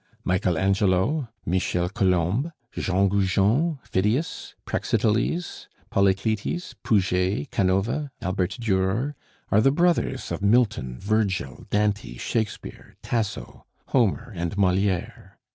Michael Angelo, Michel Columb, Jean Goujon, Phidias, Praxiteles, Polycletes, Puget, Canova, Albert Durer, are the brothers of Milton, Virgil, Dante, Shakespeare, Tasso, Homer, and Moliere.